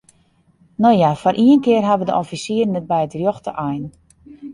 No ja, foar ien kear hawwe de offisieren it by de rjochte ein.